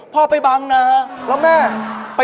ไม่มีอะไรของเราเล่าส่วนฟังครับพี่